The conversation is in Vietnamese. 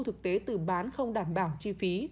thực tế từ bán không đảm bảo chi phí